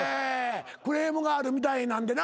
クレームがあるみたいなんでな。